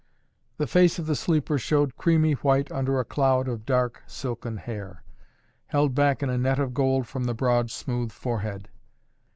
The face of the sleeper showed creamy white under a cloud of dark, silken hair, held back in a net of gold from the broad smooth forehead.